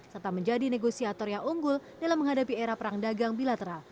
serta menjadi negosiator yang unggul dalam menghadapi era perang dagang bilateral